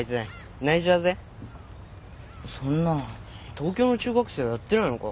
東京の中学生はやってないのか？